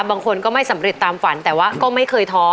บางคนก็ไม่สำเร็จตามฝันแต่ว่าก็ไม่เคยท้อ